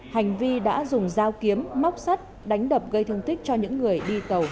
hành vi đã dùng dao kiếm móc sắt đánh đập gây thương tích cho những người đi tàu